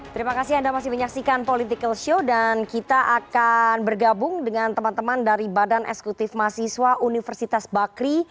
terima kasih anda masih menyaksikan political show dan kita akan bergabung dengan teman teman dari badan eksekutif mahasiswa universitas bakri